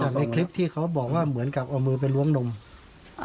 อันนั้นคือความมานั่งอยู่แบบนี้นะ